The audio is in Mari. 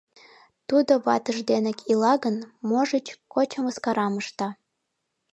Тудо ватыж денак ила гын, можыч, кочо мыскарам ышта.